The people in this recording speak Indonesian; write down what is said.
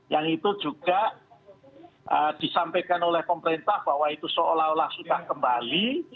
yang itu juga disampaikan oleh pemerintah bahwa itu seolah olah sudah kembali